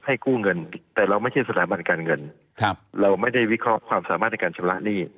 กู้เงินแต่เราไม่ใช่สถาบันการเงินครับเราไม่ได้วิเคราะห์ความสามารถในการชำระหนี้